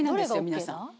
皆さん。